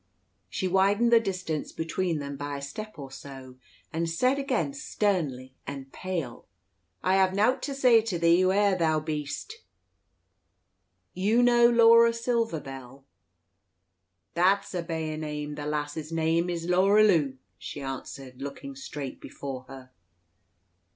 She widened the distance between them by a step or so, and said again sternly and pale, "I hev nowt to say to thee, whoe'er thou beest." "You know Laura Silver Bell?" "That's a byneyam; the lass's neyam is Laura Lew," she answered, looking straight before her.